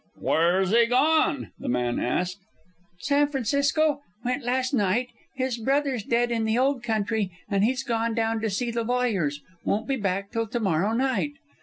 "Where's he gone?" the man asked. "San Francisco. Went last night. His brother's dead in the old country, and he's gone down to see the lawyers. Won't be back till tomorrow night."